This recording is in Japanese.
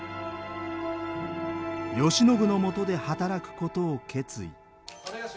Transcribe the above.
慶喜のもとで働くことを決意。